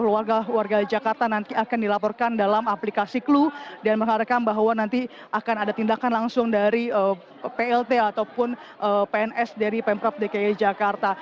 warga warga jakarta nanti akan dilaporkan dalam aplikasi clue dan mengharapkan bahwa nanti akan ada tindakan langsung dari plt ataupun pns dari pemprov dki jakarta